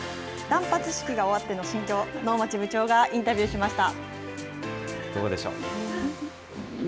断髪式が終わっての心境、能町部長がインタビューしました。